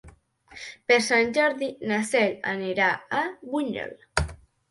Per Sant Jordi na Cel anirà a Bunyol.